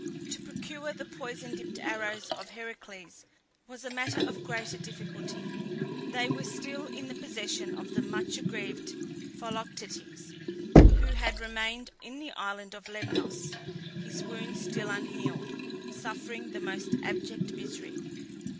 To procure the poison dipped arrows of Heracles was a matter of greater difficulty. They were still in the possession of the much aggrieved Philoctetes, who had remained in the island of Lemnos, his wound still unhealed, suffering the most abject misery.